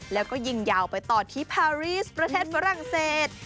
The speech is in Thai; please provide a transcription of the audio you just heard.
แล้วก็ยิงยาวไปต่อที่พารีสประเทศฝรั่งเศส